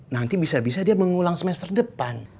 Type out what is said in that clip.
nanti bisa bisa dia mengulang semester depan